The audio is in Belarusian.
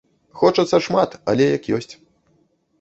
Хочацца шмат, але як ёсць.